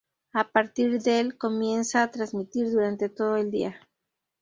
A partir del comienza a transmitir durante todo el día.